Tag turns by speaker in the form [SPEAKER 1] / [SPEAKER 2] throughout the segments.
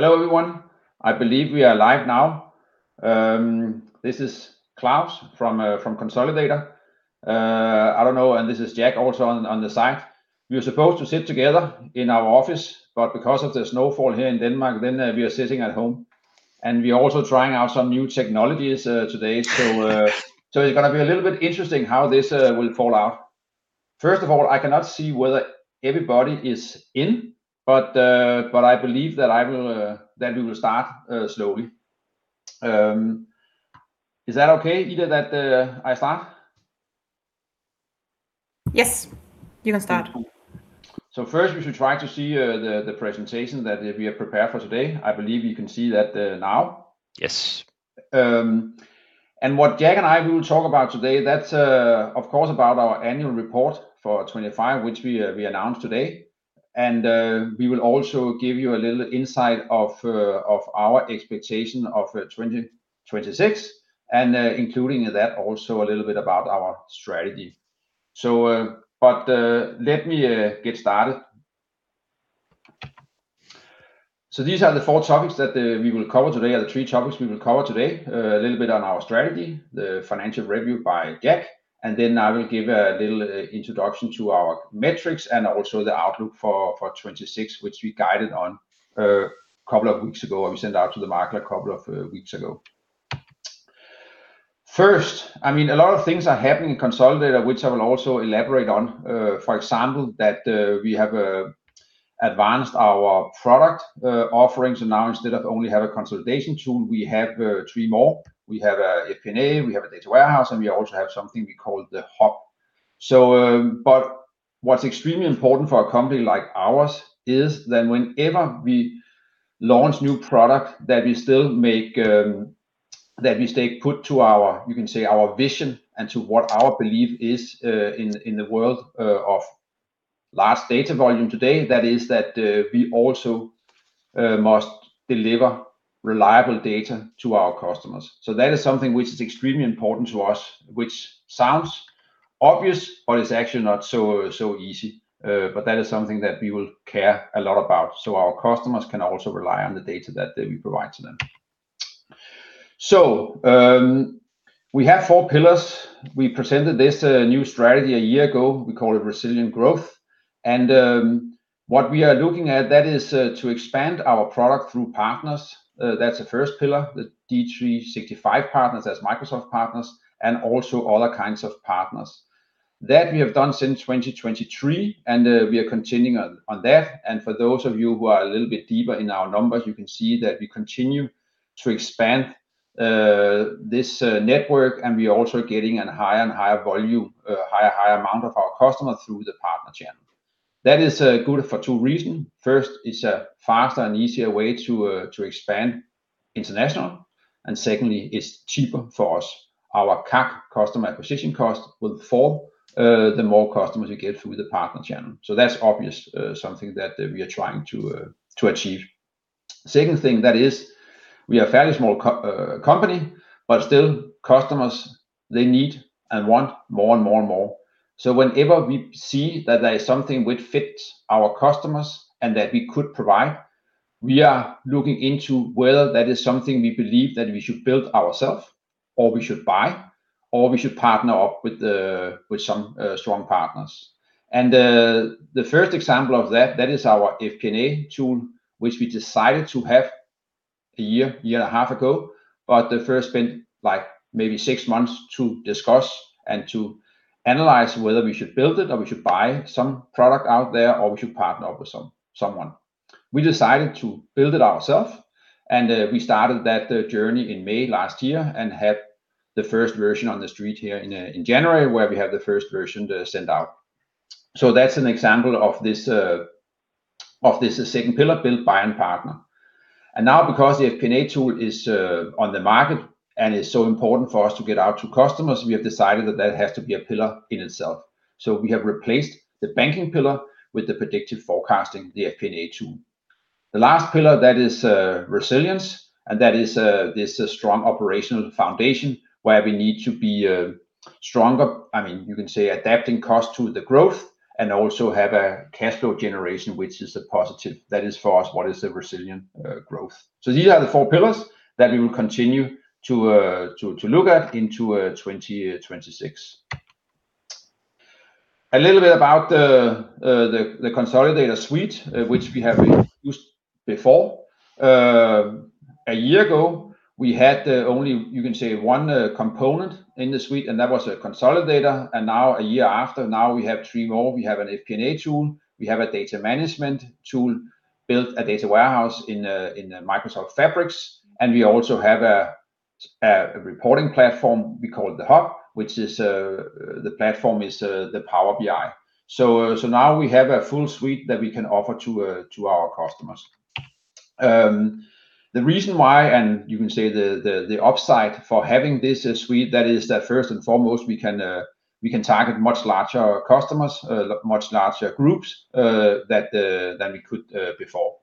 [SPEAKER 1] Hello, everyone. I believe we are live now. This is Claus from Konsolidator. I don't know, and this is Jack also on the side. We were supposed to sit together in our office, but because of the snowfall here in Denmark, then we are sitting at home, and we are also trying out some new technologies today. So it's gonna be a little bit interesting how this will fall out. First of all, I cannot see whether everybody is in, but I believe that I will, that we will start slowly. Is that okay, Ida, that I start?
[SPEAKER 2] Yes, you can start.
[SPEAKER 1] Thank you. First, we should try to see the presentation that we have prepared for today. I believe you can see that now.
[SPEAKER 3] Yes.
[SPEAKER 1] And what Jack and I will talk about today, that's, of course, about our annual report for 2025, which we announced today. And we will also give you a little insight of our expectation of 2026, and including that, also a little bit about our strategy. So, but let me get started. So these are the four topics that we will cover today, or the three topics we will cover today. A little bit on our strategy, the financial review by Jack, and then I will give a little introduction to our metrics and also the outlook for 2026, which we guided on a couple of weeks ago, and we sent out to the market a couple of weeks ago. First, I mean, a lot of things are happening in Konsolidator, which I will also elaborate on. For example, that we have advanced our product offerings, and now, instead of only have a consolidation tool, we have three more. We have a FP&A, we have a data warehouse, and we also have something we call the Hub. So, but what's extremely important for a company like ours is that whenever we launch new product, that we still make, that we stay put to our, you can say, our vision and to what our belief is, in the world of large data volume today, that is that we also must deliver reliable data to our customers. So that is something which is extremely important to us, which sounds obvious, but it's actually not so, so easy. But that is something that we will care a lot about, so our customers can also rely on the data that we provide to them. So, we have four pillars. We presented this new strategy a year ago. We call it resilient growth, and what we are looking at, that is, to expand our product through partners. That's the first pillar, the D365 partners, as Microsoft partners, and also other kinds of partners. That we have done since 2023, and we are continuing on that. And for those of you who are a little bit deeper in our numbers, you can see that we continue to expand this network, and we are also getting a higher and higher volume, higher amount of our customers through the partner channel. That is good for two reasons. First, it's a faster and easier way to expand international, and secondly, it's cheaper for us. Our CAC, customer acquisition cost, will fall, the more customers we get through the partner channel. So that's obvious, something that we are trying to achieve. Second thing, that is, we are a fairly small company, but still, customers, they need and want more and more and more. So whenever we see that there is something which fits our customers and that we could provide, we are looking into whether that is something we believe that we should build ourself, or we should buy, or we should partner up with some strong partners. The first example of that is our FP&A tool, which we decided to have a year and a half ago, but we first spent, like, maybe six months to discuss and to analyze whether we should build it or we should buy some product out there, or we should partner up with someone. We decided to build it ourselves, and we started that journey in May last year and had the first version on the street here in January, where we had the first version to send out. So that's an example of this second pillar, build, buy, and partner. Now, because the FP&A tool is on the market and is so important for us to get out to customers, we have decided that that has to be a pillar in itself. So we have replaced the banking pillar with the predictive forecasting, the FP&A tool. The last pillar, that is, resilience, and that is, this strong operational foundation, where we need to be, stronger, I mean, you can say adapting cost to the growth and also have a cash flow generation, which is a positive. That is, for us, what is the resilient, growth? So these are the four pillars that we will continue to, to, to look at into, 2026. A little bit about the, the, the Konsolidator suite, which we have used before. A year ago, we had only, you can say, one component in the suite, and that was a Konsolidator, and now, a year after, now we have three more. We have an FP&A tool, we have a data management tool, built a data warehouse in Microsoft Fabric, and we also have a reporting platform we call the Hub, which is the platform is the Power BI. So now we have a full suite that we can offer to our customers. The reason why, and you can say the upside for having this suite, that is that first and foremost, we can target much larger customers, much larger groups than we could before.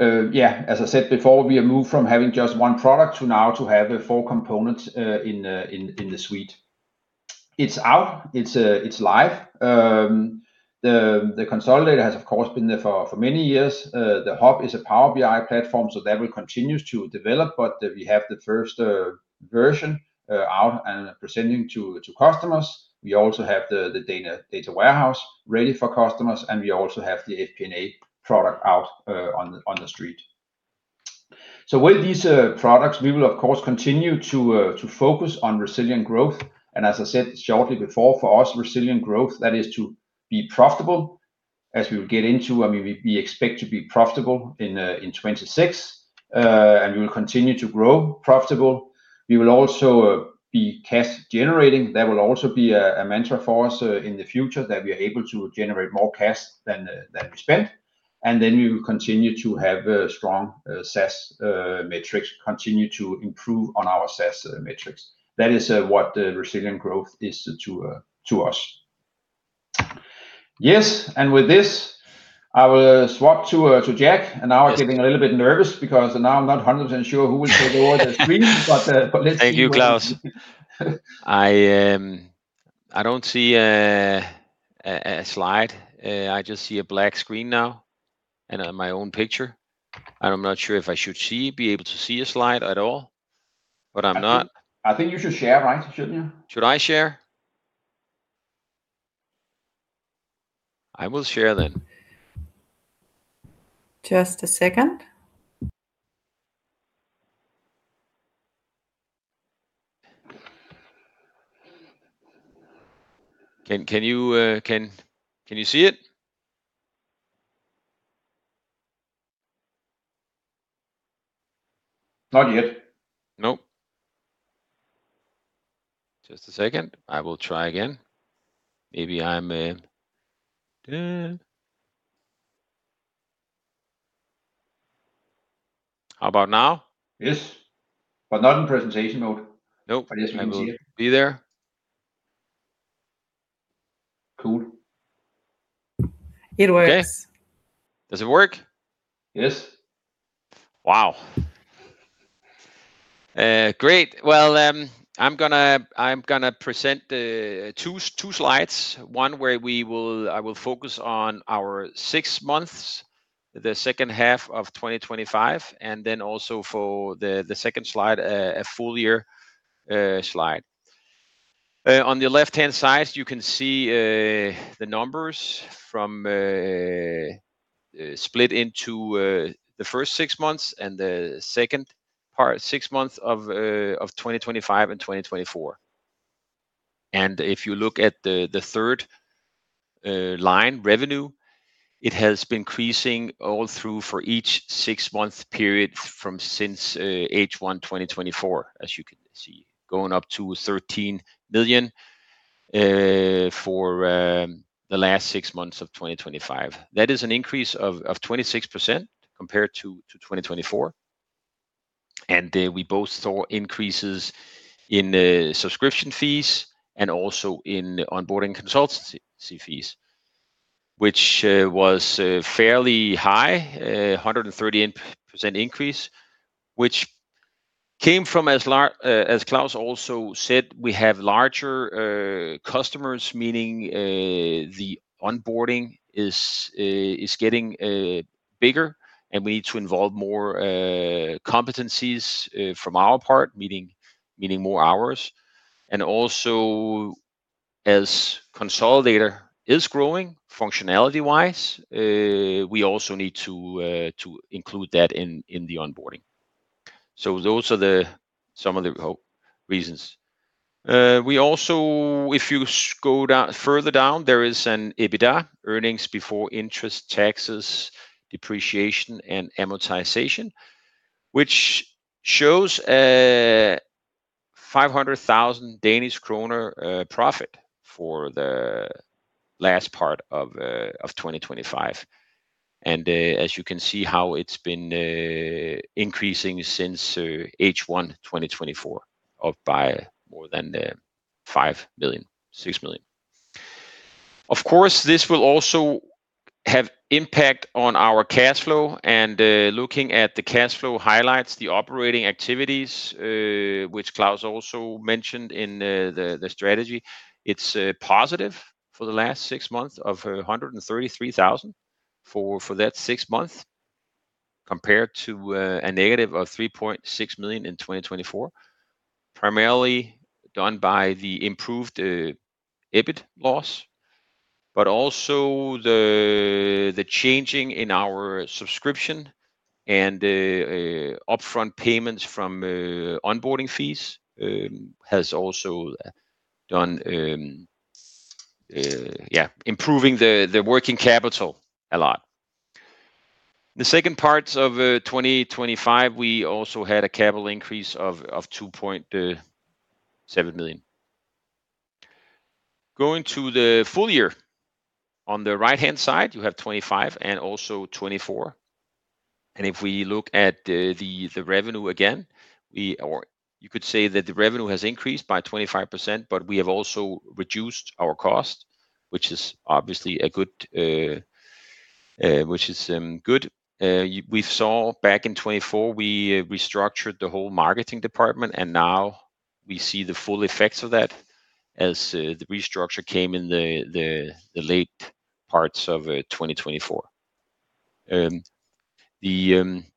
[SPEAKER 1] Yeah, as I said before, we have moved from having just one product to now to have four components in the suite. It's out, it's live. The Konsolidator has, of course, been there for many years. The Hub is a Power BI platform, so that will continue to develop, but we have the first version out and presenting to customers. We also have the data warehouse ready for customers, and we also have the FP&A product out on the street. So with these products, we will of course continue to focus on resilient growth. And as I said shortly before, for us, resilient growth, that is to be profitable as we will get into. I mean, we expect to be profitable in 2026, and we will continue to grow profitable. We will also be cash generating. That will also be a mantra for us in the future, that we are able to generate more cash than we spend. And then we will continue to have a strong SaaS metrics, continue to improve on our SaaS metrics. That is what the resilient growth is to us. Yes, and with this, I will swap to Jack. And now I'm getting a little bit nervous because now I'm not 100% sure who will take over the screen, but but let's see.
[SPEAKER 3] Thank you, Claus. I don't see a slide. I just see a black screen now and my own picture. And I'm not sure if I should be able to see a slide at all, but I'm not-
[SPEAKER 1] I think you should share, right? Shouldn't you?
[SPEAKER 3] Should I share? I will share then.
[SPEAKER 2] Just a second.
[SPEAKER 3] Can you see it?
[SPEAKER 1] Not yet.
[SPEAKER 3] No. Just a second. I will try again. Maybe I'm in... How about now?
[SPEAKER 1] Yes, but not in presentation mode.
[SPEAKER 3] Nope.
[SPEAKER 1] I just want to see it.
[SPEAKER 3] Be there.
[SPEAKER 2] Cool. It works.
[SPEAKER 3] Okay. Does it work?
[SPEAKER 1] Yes.
[SPEAKER 3] Wow! Great. Well, I'm gonna present two slides. One where I will focus on our six months, the second half of 2025, and then also for the second slide, a full year slide. On the left-hand side, you can see the numbers from split into the first six months and the second part, six months of 2025 and 2024. If you look at the third line, revenue, it has been increasing all through for each six-month period from since H1 2024, as you can see, going up to 13 million for the last six months of 2025. That is an increase of 26% compared to 2024. We both saw increases in subscription fees and also in onboarding consultancy fees, which was fairly high, 138% increase, which came from, as Claus also said, we have larger customers, meaning the onboarding is getting bigger, and we need to involve more competencies from our part, meaning more hours. And also, as Konsolidator is growing, functionality-wise, we also need to include that in the onboarding. So those are some of the reasons. We also, if you scroll down, further down, there is an EBITDA, earnings before interest, taxes, depreciation, and amortization, which shows 500,000 Danish kroner profit for the last part of 2025. As you can see how it's been increasing since H1 2024, up by more than 5 million, 6 million. Of course, this will also have impact on our cash flow, and looking at the cash flow highlights, the operating activities, which Claus also mentioned in the strategy. It's positive for the last six months of 133,000 for that six months, compared to a negative of 3.6 million in 2024. Primarily done by the improved EBIT loss, but also the changing in our subscription and the upfront payments from onboarding fees has also done improving the working capital a lot. The second part of 2025, we also had a capital increase of 2.7 million. Going to the full year, on the right-hand side, you have 2025 and also 2024. If we look at the revenue again, we or you could say that the revenue has increased by 25%, but we have also reduced our costs, which is obviously a good, which is good. We saw back in 2024, we restructured the whole marketing department, and now we see the full effects of that as the restructure came in the late parts of 2024.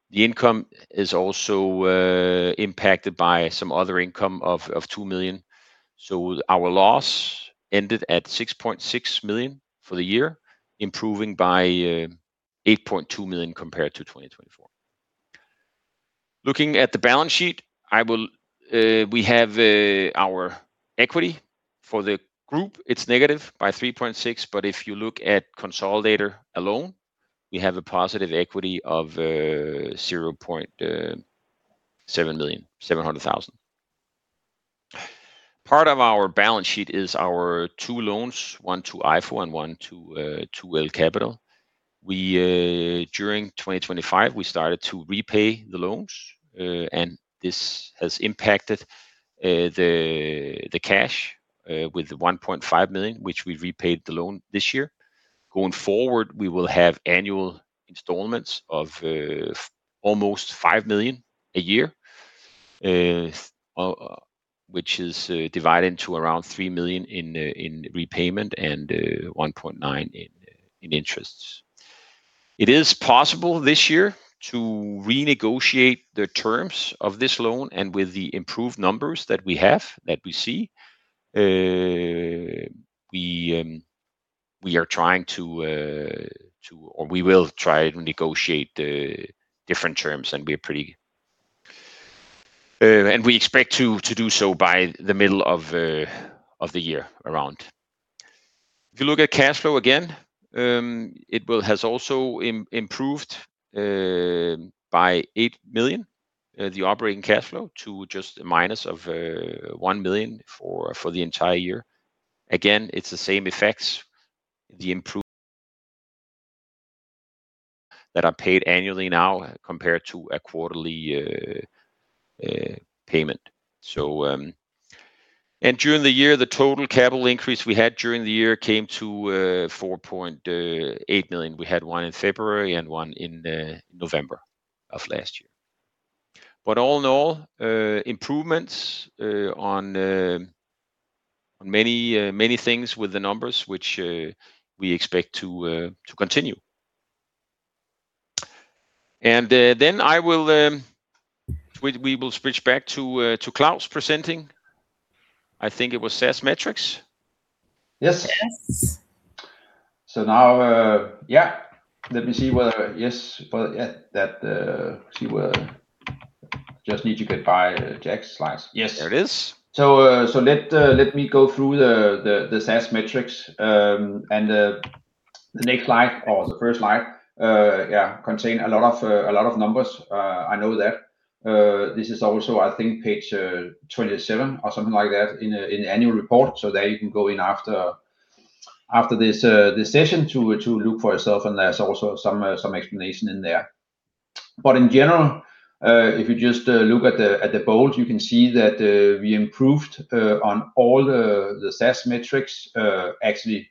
[SPEAKER 3] The income is also impacted by some other income of 2 million. So our loss ended at 6.6 million for the year, improving by 8.2 million compared to 2024. Looking at the balance sheet, we have our equity for the group. It's negative by 3.6 million, but if you look at Konsolidator alone, we have a positive equity of 0.7 million, 700,000. Part of our balance sheet is our two loans, one to EIFO and one to L Capital. We during 2025, we started to repay the loans, and this has impacted the cash with 1.5 million, which we repaid the loan this year. Going forward, we will have annual installments of almost 5 million a year, which is divided into around 3 million in repayment and 1.9 million in interest. It is possible this year to renegotiate the terms of this loan, and with the improved numbers that we have, that we see, we are trying to or we will try to negotiate the different terms, and we are pretty... and we expect to do so by the middle of the year around. If you look at cash flow again, it has also improved by 8 million, the operating cash flow to just a minus of 1 million for the entire year. Again, it's the same effects, the improved... that are paid annually now compared to a quarterly payment. So, and during the year, the total capital increase we had during the year came to 4.8 million. We had one in February and one in November of last year. But all in all, improvements on many things with the numbers, which we expect to continue. Then we will switch back to Claus presenting. I think it was SaaS metrics.
[SPEAKER 1] Yes.
[SPEAKER 2] Yes.
[SPEAKER 1] So now, yeah, let me see whether... Yes, but, yeah, that, see whether, just need to get by Jack's slides.
[SPEAKER 3] Yes, there it is.
[SPEAKER 1] So, let me go through the SaaS metrics. And the next slide or the first slide, yeah, contain a lot of numbers, I know that. This is also, I think, page 27 or something like that in an annual report. So there you can go in after this session to look for yourself, and there's also some explanation in there. But in general, if you just look at the bold, you can see that we improved on all the SaaS metrics, actually,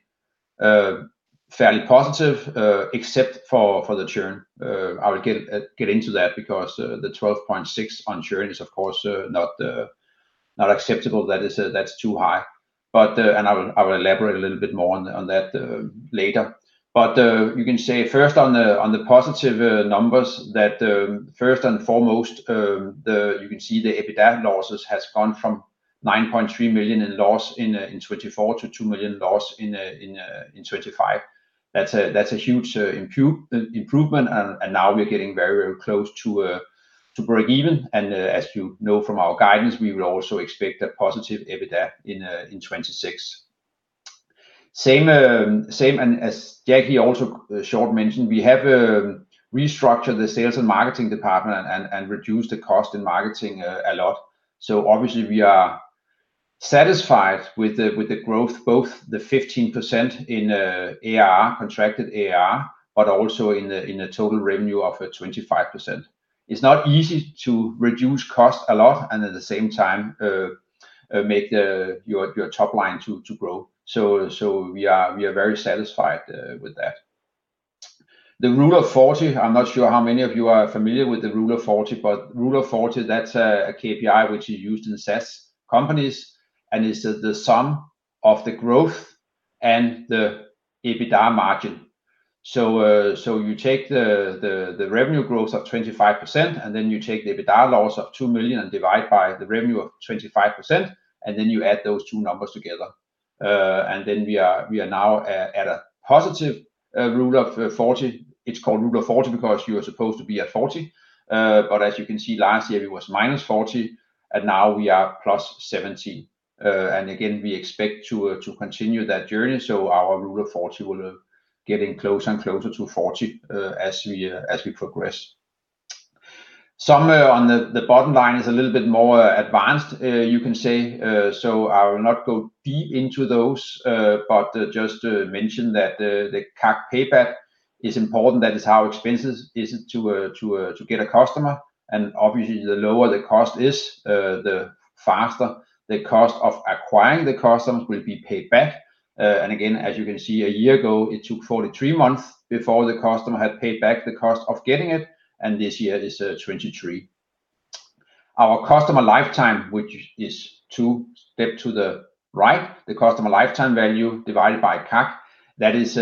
[SPEAKER 1] fairly positive, except for the churn. I will get into that because the 12.6 on churn is, of course, not acceptable. That is, that's too high. But... And I will elaborate a little bit more on that later. But you can say first on the positive numbers that first and foremost, you can see the EBITDA losses has gone from 9.3 million loss in 2024 to 2 million loss in 2025. That's a huge improvement, and now we're getting very close to break even. And as you know from our guidance, we will also expect a positive EBITDA in 2026. Same and as Jackie also short mentioned, we have restructured the sales and marketing department and reduced the cost in marketing a lot. So obviously, we are satisfied with the, with the growth, both the 15% in, ARR, contracted ARR, but also in the, in the total revenue of, 25%. It's not easy to reduce costs a lot and at the same time, make, your, your top line to, to grow. So, so we are, we are very satisfied, with that. The rule of 40, I'm not sure how many of you are familiar with the rule of 40, but rule of 40, that's a, a KPI which is used in SaaS companies, and it's the, the sum of the growth and the EBITDA margin. So, so you take the, the, the revenue growth of 25%, and then you take the EBITDA loss of 2 million, and divide by the revenue of 25%, and then you add those two numbers together. and then we are, we are now at, at a positive Rule of 40. It's called Rule of 40 because you are supposed to be at 40, but as you can see, last year it was -40, and now we are +70. And again, we expect to, to continue that journey, so our Rule of 40 will, getting closer and closer to 40, as we, as we progress. So, on the, the bottom line is a little bit more advanced, you can say, so I will not go deep into those, but just to mention that the, the CAC payback... It's important, that is how expensive is it to, to, to get a customer. And obviously, the lower the cost is, the faster the cost of acquiring the customers will be paid back. And again, as you can see, a year ago, it took 43 months before the customer had paid back the cost of getting it, and this year it's 23. Our customer lifetime, which is two steps to the right, the customer lifetime value divided by CAC, that is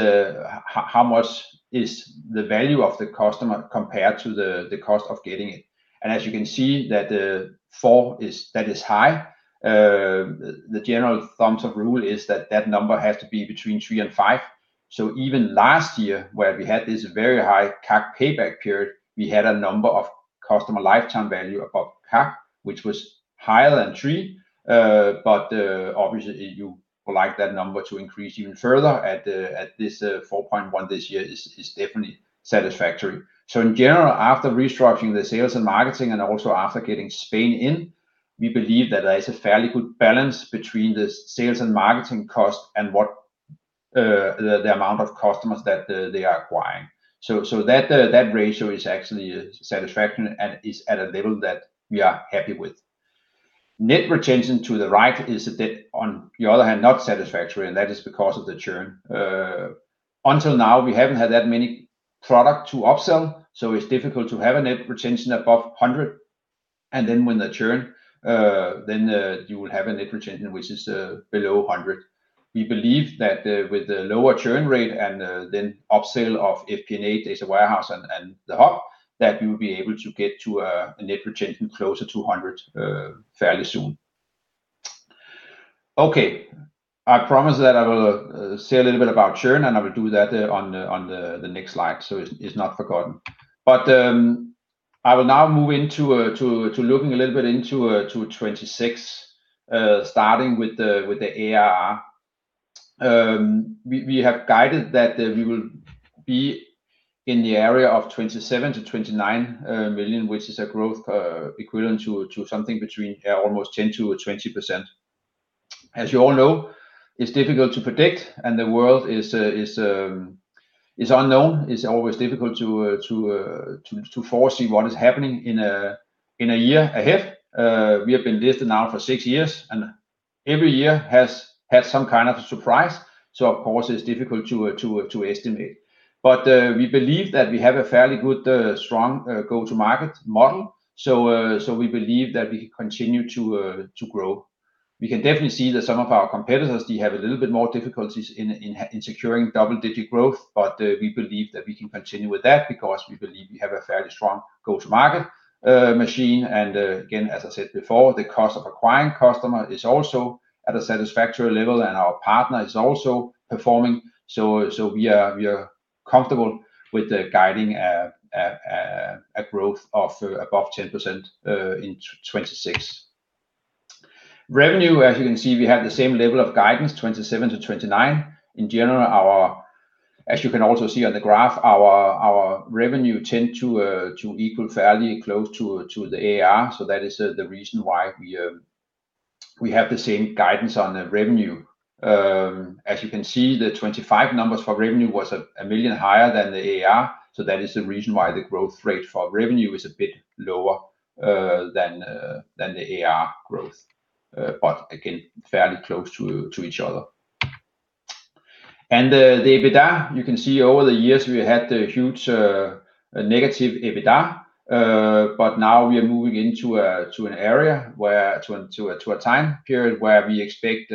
[SPEAKER 1] how much is the value of the customer compared to the cost of getting it. And as you can see, that the 4 is, that is high. The general thumbs-up rule is that that number has to be between 3 and 5. So even last year, where we had this very high CAC payback period, we had a number of customer lifetime value above CAC, which was higher than 3. But, obviously, you would like that number to increase even further at the, at this, 4.1 this year is, is definitely satisfactory. So in general, after restructuring the sales and marketing and also after getting Spain in, we believe that there is a fairly good balance between the sales and marketing cost and what, the, the amount of customers that, they are acquiring. So, so that, that ratio is actually satisfactory and is at a level that we are happy with. Net retention to the right is a bit, on the other hand, not satisfactory, and that is because of the churn. Until now, we haven't had that many product to upsell, so it's difficult to have a net retention above 100. Then when the churn, then, you will have a net retention, which is, below 100. We believe that, with the lower churn rate and, then upsell of FP&A, Data Warehouse, and the Hub, that we will be able to get to, a net retention closer to 100, fairly soon. Okay, I promise that I will say a little bit about churn, and I will do that, on the next slide, so it's not forgotten. But I will now move into, to looking a little bit into 2026, starting with the ARR. We have guided that we will be in the area of 27 million-29 million, which is a growth equivalent to something between almost 10%-20%. As you all know, it's difficult to predict, and the world is unknown. It's always difficult to foresee what is happening in a year ahead. We have been listed now for six years, and every year has had some kind of a surprise, so of course, it's difficult to estimate. But we believe that we have a fairly good, strong go-to-market model. So we believe that we continue to grow. We can definitely see that some of our competitors, they have a little bit more difficulties in securing double-digit growth, but we believe that we can continue with that because we believe we have a fairly strong go-to-market machine. And again, as I said before, the cost of acquiring customer is also at a satisfactory level, and our partner is also performing. So we are comfortable with guiding a growth of above 10% in 2026. Revenue, as you can see, we have the same level of guidance, 2027 to 2029. In general, our... As you can also see on the graph, our revenue tend to equal fairly close to the ARR, so that is the reason why we have the same guidance on the revenue. As you can see, the 2025 numbers for revenue was 1 million higher than the ARR, so that is the reason why the growth rate for revenue is a bit lower than the ARR growth. But again, fairly close to each other. And the EBITDA, you can see over the years, we had a huge negative EBITDA, but now we are moving into an area where we expect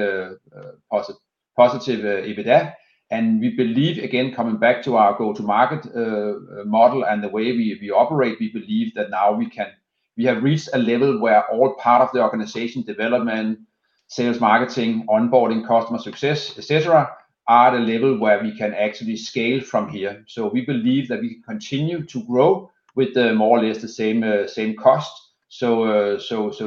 [SPEAKER 1] positive EBITDA. And we believe, again, coming back to our go-to-market model and the way we operate, we believe that now we can—we have reached a level where all part of the organization, development, sales, marketing, onboarding, customer success, et cetera, are at a level where we can actually scale from here. So we believe that we continue to grow with more or less the same cost. So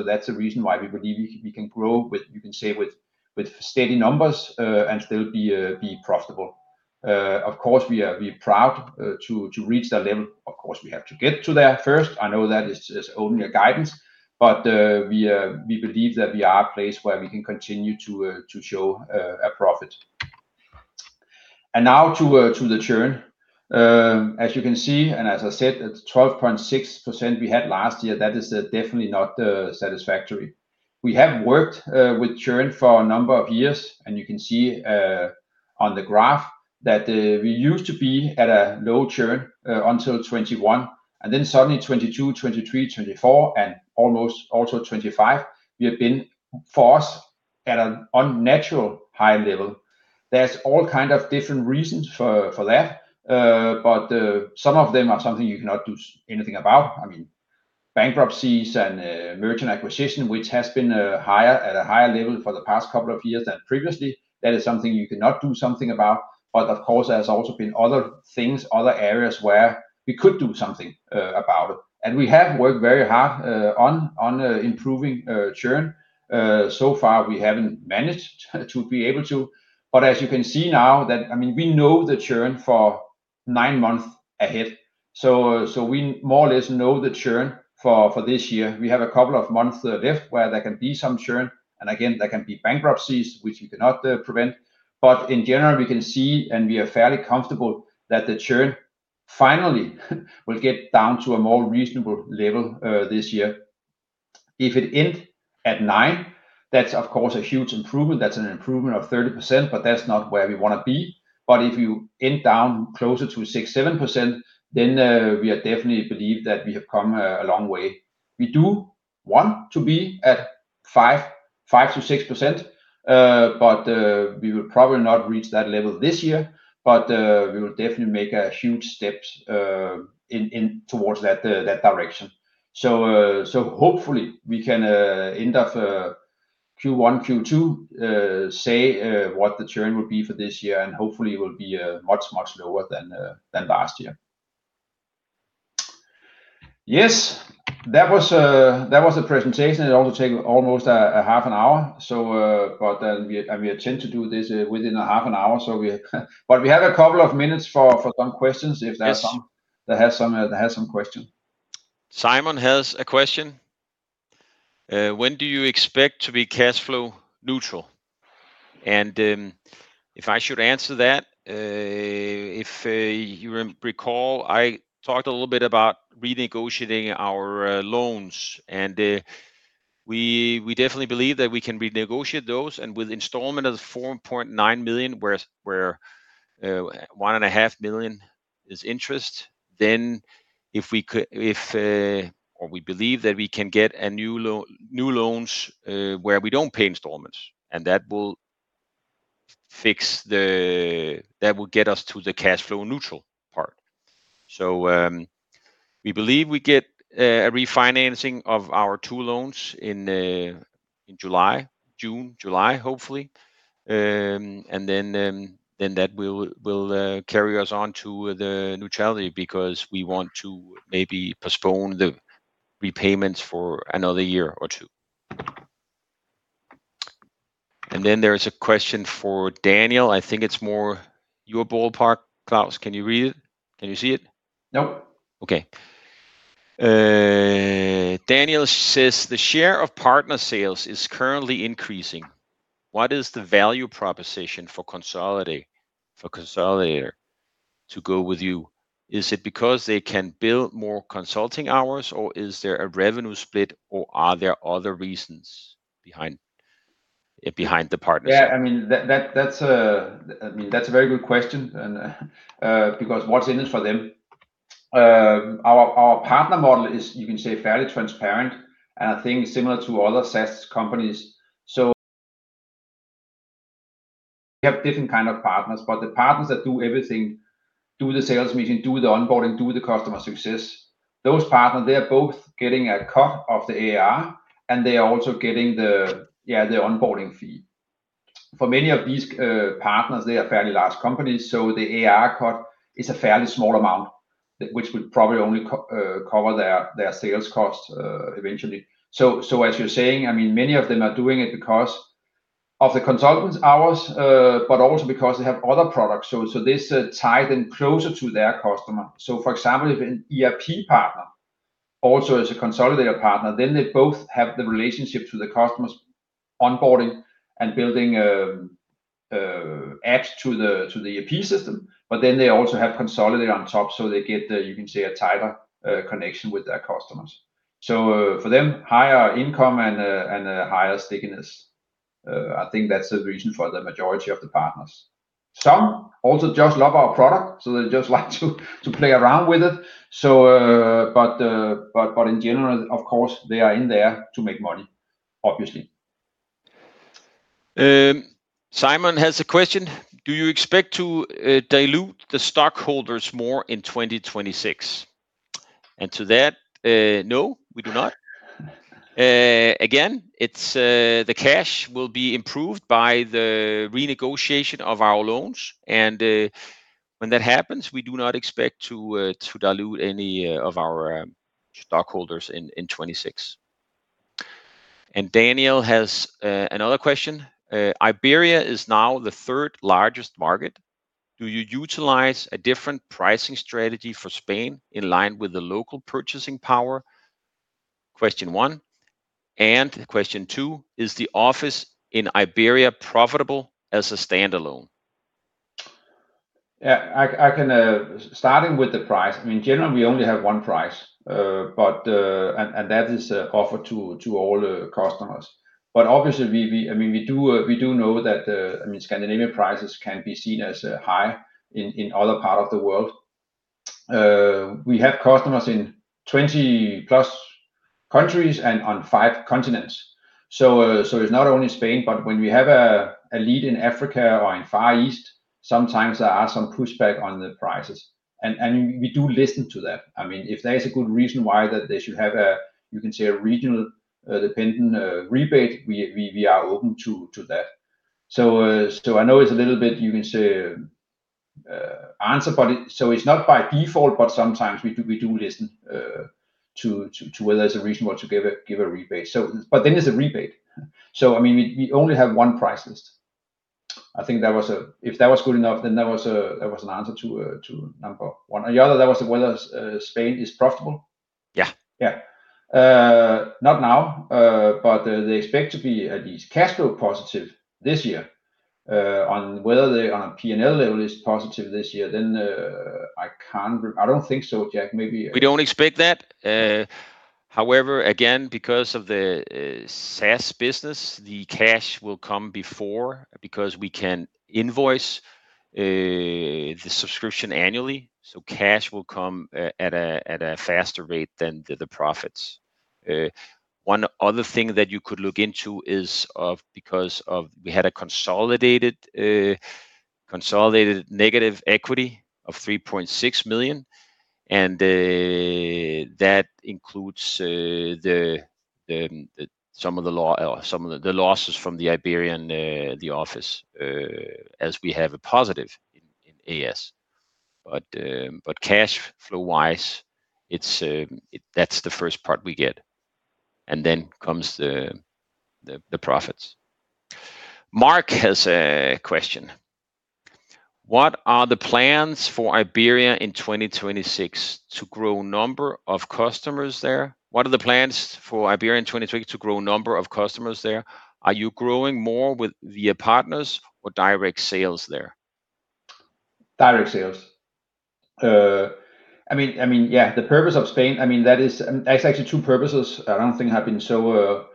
[SPEAKER 1] that's the reason why we believe we can grow with, you can say, with steady numbers, and still be profitable. Of course, we are proud to reach that level. Of course, we have to get to there first. I know that is only a guidance, but we believe that we are at a place where we can continue to show a profit. And now to the churn. As you can see, and as I said, at 12.6% we had last year, that is definitely not satisfactory. We have worked with churn for a number of years, and you can see on the graph that we used to be at a low churn until 2021, and then suddenly 2022, 2023, 2024, and almost also 2025, we have been forced at an unnatural high level. There's all kind of different reasons for that, but some of them are something you cannot do anything about. I mean, bankruptcies and mergers and acquisitions, which has been higher, at a higher level for the past couple of years than previously, that is something you cannot do something about. But of course, there has also been other things, other areas where we could do something about it. And we have worked very hard on improving churn. So far, we haven't managed to be able to, but as you can see now, that, I mean, we know the churn for nine months ahead. So we more or less know the churn for this year. We have a couple of months left where there can be some churn, and again, there can be bankruptcies, which we cannot prevent. But in general, we can see, and we are fairly comfortable, that the churn finally will get down to a more reasonable level this year. If it end at 9%, that's of course a huge improvement. That's an improvement of 30%, but that's not where we wanna be. But if you end down closer to 6%-7%, then we are definitely believe that we have come a long way. We do want to be at 5%-6%, but we will probably not reach that level this year. But we will definitely make a huge steps in towards that direction. So, so hopefully we can end of Q1, Q2 say what the churn will be for this year, and hopefully it will be much, much lower than than last year. Yes, that was a, that was the presentation. It only took almost a half an hour, so, but we, and we attempt to do this within a half an hour. So we... But we have a couple of minutes for some questions, if there's some-
[SPEAKER 3] Yes.
[SPEAKER 1] That has some question.
[SPEAKER 3] Simon has a question. "When do you expect to be cash flow neutral?" And, if I should answer that, if you recall, I talked a little bit about renegotiating our loans, and we definitely believe that we can renegotiate those and with installment of $4.9 million, where $1.5 million is interest, then or we believe that we can get new loans, where we don't pay installments, and that will fix the. That will get us to the cash flow neutral part. So, we believe we get a refinancing of our two loans in June, July, hopefully. And then, that will carry us on to the neutrality because we want to maybe postpone the repayments for another year or two. And then there is a question for Daniel. I think it's more your ballpark. Claus, can you read it? Can you see it?
[SPEAKER 1] No.
[SPEAKER 3] Okay. Daniel says: "The share of partner sales is currently increasing. What is the value proposition for Konsolidator, for Konsolidator to go with you? Is it because they can build more consulting hours, or is there a revenue split, or are there other reasons behind it, behind the partnership?
[SPEAKER 1] Yeah, I mean, that's a very good question, and because what's in it for them? Our partner model is, you can say, fairly transparent, and I think similar to other sales companies. So we have different kind of partners, but the partners that do everything, do the sales meeting, do the onboarding, do the customer success, those partners, they are both getting a cut of the ARR, and they are also getting the, yeah, the onboarding fee. For many of these partners, they are fairly large companies, so the ARR cut is a fairly small amount, which would probably only cover their sales cost eventually. So as you're saying, I mean, many of them are doing it because of the consultants' hours, but also because they have other products. This ties them closer to their customer. For example, if an ERP partner also is a Konsolidator partner, then they both have the relationship to the customers' onboarding and building apps to the ERP system, but then they also have Konsolidator on top, so they get, you can say, a tighter connection with their customers. So, for them, higher income and a higher stickiness. I think that's the reason for the majority of the partners. Some also just love our product, so they just like to play around with it. But in general, of course, they are in there to make money, obviously.
[SPEAKER 3] Simon has a question: "Do you expect to dilute the stockholders more in 2026?" And to that, no, we do not. Again, it's the cash will be improved by the renegotiation of our loans, and when that happens, we do not expect to dilute any of our stockholders in 2026. And Daniel has another question. "Iberia is now the third largest market. Do you utilize a different pricing strategy for Spain in line with the local purchasing power?" Question one, and question two: "Is the office in Iberia profitable as a standalone?
[SPEAKER 1] Yeah, I can, starting with the price, I mean, generally, we only have one price, but, and, and that is, offered to, to all, customers. But obviously, we, I mean, we do know that, I mean, Scandinavian prices can be seen as, high in, other part of the world. We have customers in 20+ countries and on 5 continents. So, so it's not only Spain, but when we have a, a lead in Africa or in Far East, sometimes there are some pushback on the prices, and, and we do listen to that. I mean, if there is a good reason why that they should have a, you can say, a regional, dependent, rebate, we, we, we are open to, to that. So, I know it's a little bit you can say answer, but it's not by default, but sometimes we do listen to whether there's a reason why to give a rebate. So but then it's a rebate. So I mean, we only have one price list. I think that was, if that was good enough, then that was an answer to number one. And the other, that was whether Spain is profitable?
[SPEAKER 3] Yeah.
[SPEAKER 1] Yeah. Not now, but they expect to be at least cash flow positive this year. On whether they, on a P&L level, is positive this year, then, I don't think so, Jack, maybe-
[SPEAKER 3] We don't expect that. However, again, because of the SaaS business, the cash will come before, because we can invoice the subscription annually, so cash will come at a faster rate than the profits. One other thing that you could look into is, because we had a consolidated negative equity of 3.6 million, and that includes some of the losses from the Iberian office, as we have a positive in A/S. But cash flow-wise, it's that that's the first part we get, and then comes the profits. Mark has a question: What are the plans for Iberia in 2026 to grow number of customers there? What are the plans for Iberia in 2026 to grow number of customers there? Are you growing more with via partners or direct sales there?
[SPEAKER 1] Direct sales. I mean, I mean, yeah, the purpose of Spain, I mean, that is... There's actually two purposes. I don't think I've been so,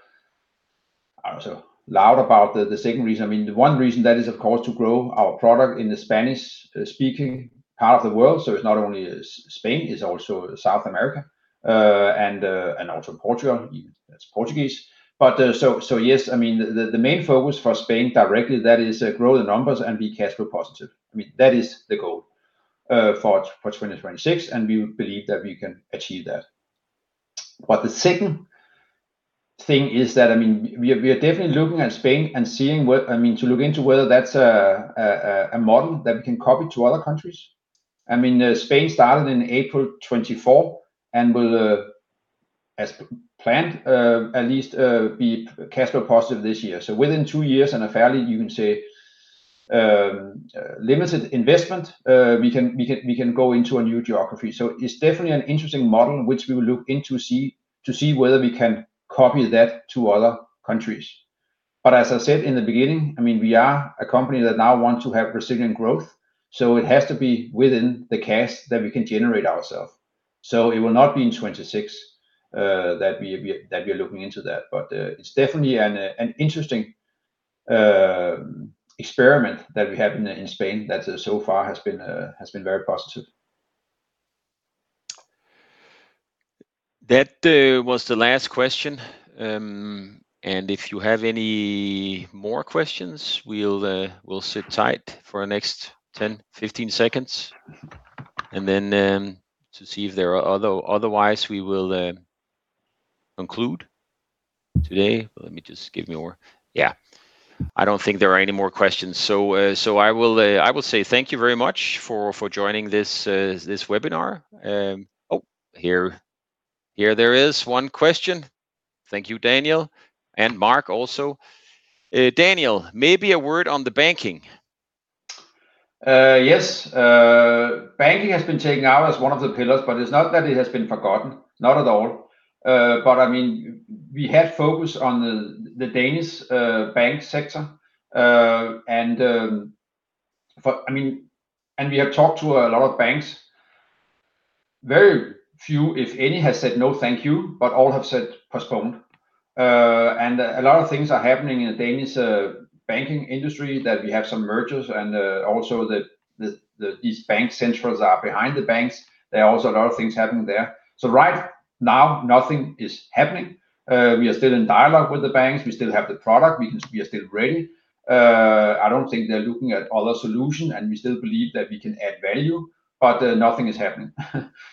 [SPEAKER 1] I'm so loud about the, the second reason. I mean, the one reason, that is, of course, to grow our product in the Spanish-speaking part of the world, so it's not only is Spain, it's also South America, and, and also Portugal, even that's Portuguese. But, so, so yes, I mean, the, the main focus for Spain directly, that is, grow the numbers and be cash flow positive. I mean, that is the goal, for, for 2026, and we believe that we can achieve that. But the second thing is that, I mean, we are definitely looking at Spain and seeing what, I mean, to look into whether that's a model that we can copy to other countries. I mean, Spain started in April 2024 and will, as planned, at least, be cash flow positive this year. So within two years and a fairly, you can say, limited investment, we can go into a new geography. So it's definitely an interesting model, which we will look into to see whether we can copy that to other countries. But as I said in the beginning, I mean, we are a company that now want to have resilient growth, so it has to be within the cash that we can generate ourself. So it will not be in 2026 that we are looking into that, but it's definitely an interesting experiment that we have in Spain that so far has been very positive.
[SPEAKER 3] That was the last question. If you have any more questions, we'll sit tight for the next 10, 15 seconds, and then to see if there are other... Otherwise, we will conclude today. Let me just give me more. Yeah, I don't think there are any more questions. I will say thank you very much for joining this webinar. Oh, here there is one question. Thank you, Daniel and Mark also. Daniel, maybe a word on the banking.
[SPEAKER 1] Yes. Banking has been taken out as one of the pillars, but it's not that it has been forgotten, not at all. But I mean, we have focused on the Danish bank sector, and I mean, and we have talked to a lot of banks. Very few, if any, have said, "No, thank you," but all have said, "Postpone." And a lot of things are happening in the Danish banking industry, that we have some mergers and also the these bank centrals are behind the banks. There are also a lot of things happening there. So right now, nothing is happening. We are still in dialogue with the banks. We still have the product. We are still ready. I don't think they're looking at other solution, and we still believe that we can add value, but nothing is happening.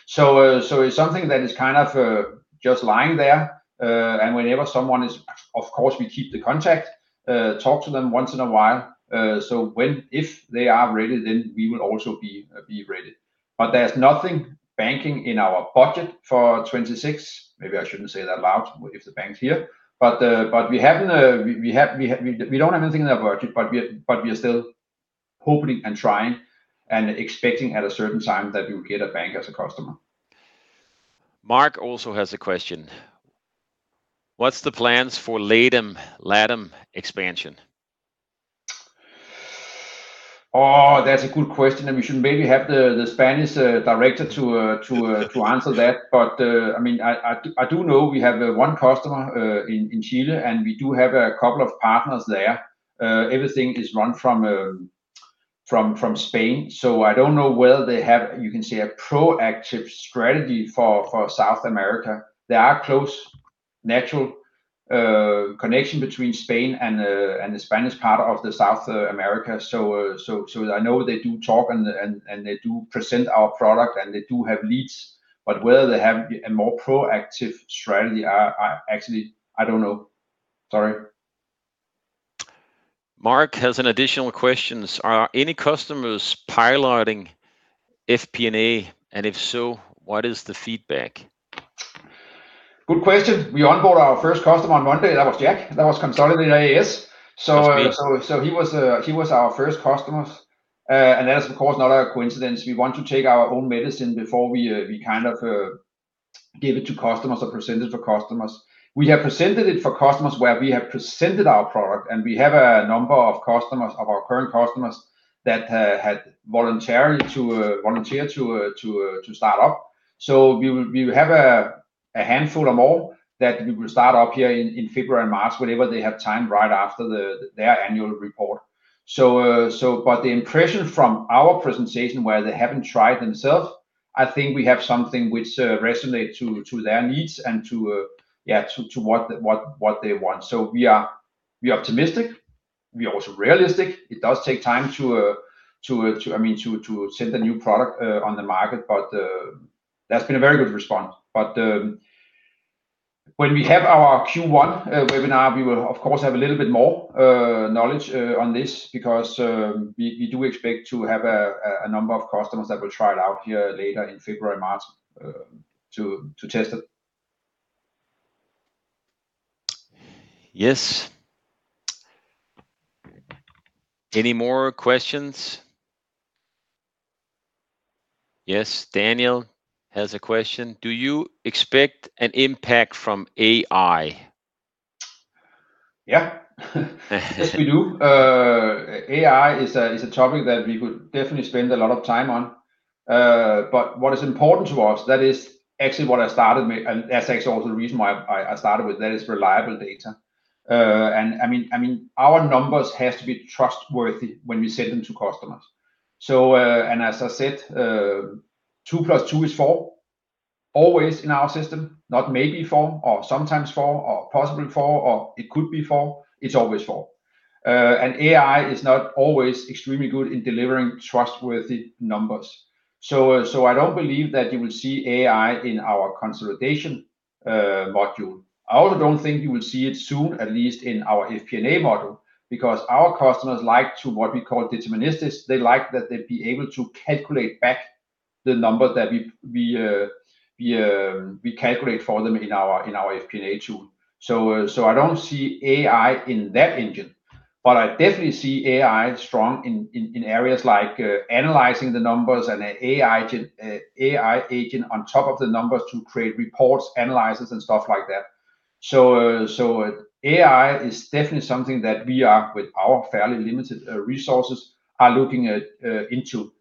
[SPEAKER 1] So, so it's something that is kind of just lying there. And whenever someone is, of course, we keep the contact, talk to them once in a while, so when, if they are ready, then we will also be be ready. But there's nothing banking in our budget for 2026. Maybe I shouldn't say that loud if the bank's here, but but we haven't, we don't have anything in our budget, but we are, but we are still hoping and trying and expecting at a certain time that we will get a bank as a customer.
[SPEAKER 3] Mark also has a question: What's the plans for LATAM, LATAM expansion?
[SPEAKER 1] Oh, that's a good question, and we should maybe have the Spanish director to answer that. But, I mean, I do know we have one customer in Chile, and we do have a couple of partners there. Everything is run from Spain, so I don't know whether they have, you can say, a proactive strategy for South America. There are close natural connection between Spain and the Spanish part of the South America. So, I know they do talk and they do present our product, and they do have leads, but whether they have a more proactive strategy, I actually don't know. Sorry.
[SPEAKER 3] Mark has an additional question: Are any customers piloting FP&A, and if so, what is the feedback?
[SPEAKER 1] Good question. We onboard our first customer on Monday. That was Jack. That was Konsolidator A/S. So he was our first customer. And that is, of course, not a coincidence. We want to take our own medicine before we kind of give it to customers or present it for customers. We have presented it for customers where we have presented our product, and we have a number of customers, of our current customers, that had volunteered to start up. So we have a handful or more that we will start up here in February and March, whenever they have time, right after their annual report. So, so but the impression from our presentation where they haven't tried themselves, I think we have something which resonate to, to their needs and to, yeah, to, to what, what, what they want. So we are, we are optimistic. We are also realistic. It does take time to, to, to, I mean, to, to send a new product on the market, but that's been a very good response. But when we have our Q1 webinar, we will of course have a little bit more knowledge on this because we, we do expect to have a, a number of customers that will try it out here later in February, March, to, to test it.
[SPEAKER 3] Yes. Any more questions? Yes, Daniel has a question: Do you expect an impact from AI?
[SPEAKER 1] Yeah. Yes, we do. AI is a topic that we could definitely spend a lot of time on. But what is important to us, that is actually what I started with, and that's actually also the reason why I started with that, is reliable data. And I mean, our numbers has to be trustworthy when we send them to customers. So, and as I said, 2 + 2 is 4, always in our system, not maybe four, or sometimes four, or possibly four, or it could be four, it's always four. And AI is not always extremely good in delivering trustworthy numbers. So, I don't believe that you will see AI in our consolidation module. I also don't think you will see it soon, at least in our FP&A model, because our customers like to, what we call, deterministic. They like that they'd be able to calculate back the numbers that we calculate for them in our FP&A tool. So, so I don't see AI in that engine, but I definitely see AI strong in areas like analyzing the numbers and an AI agent on top of the numbers to create reports, analysis, and stuff like that. So, so AI is definitely something that we are with our fairly limited resources looking into.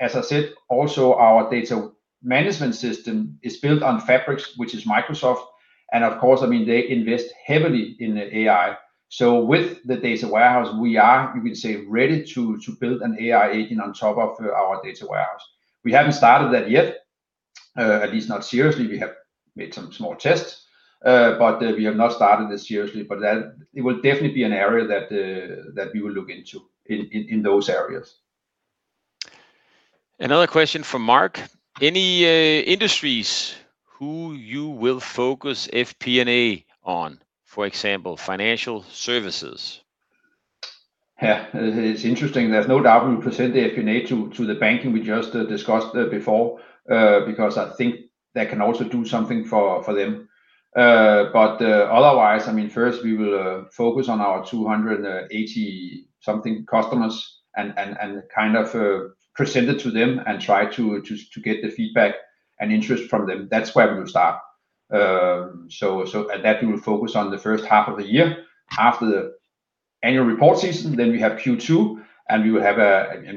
[SPEAKER 1] As I said, also, our data management system is built on Fabric, which is Microsoft. And of course, I mean, they invest heavily in AI. So with the data warehouse, we are, you can say, ready to build an AI agent on top of our data warehouse. We haven't started that yet, at least not seriously. We have made some small tests, but we have not started this seriously. But that it will definitely be an area that we will look into in those areas.
[SPEAKER 3] Another question from Mark: Any industries who you will focus FP&A on, for example, financial services?
[SPEAKER 1] Yeah, it's interesting. There's no doubt we will present the FP&A to the banking we just discussed before, because I think that can also do something for them. But otherwise, I mean, first we will focus on our 280-something customers and kind of present it to them and try to get the feedback and interest from them. That's where we will start. So and that we will focus on the first half of the year, after the annual report season, then we have Q2, and we will have a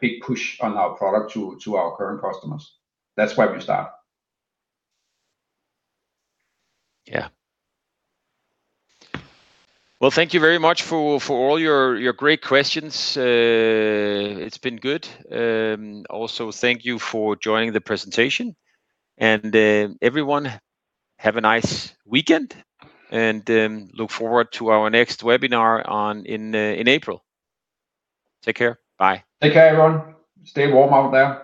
[SPEAKER 1] big push on our product to our current customers. That's where we start.
[SPEAKER 3] Yeah. Well, thank you very much for all your great questions. It's been good. Also, thank you for joining the presentation. And everyone, have a nice weekend, and look forward to our next webinar in April. Take care. Bye.
[SPEAKER 1] Take care, everyone. Stay warm out there.